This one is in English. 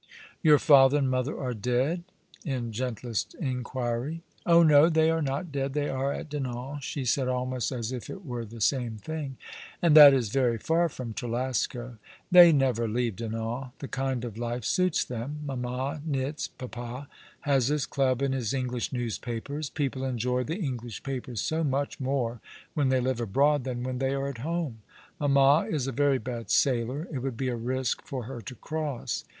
" Your father and mother are dead ?" in gentlest inquiry. "Oh no; they are not dead; they are at Dinan," she said, almost as if it were the same thing. " And that is very far from Trelasco." " They never leave Dinan. The kind of life suits them. Mamma knits ; papa has his club and his English news papers. People enjoy the English papers so much more when they live abroad than when they are at home. Mamma is a very bad sailor. It would be a risk for her to cross.